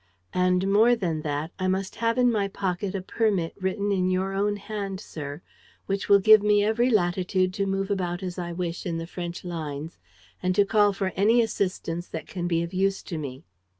"And more than that: I must have in my pocket a permit written in your own hand, sir, which will give me every latitude to move about as I wish in the French lines and to call for any assistance that can be of use to me."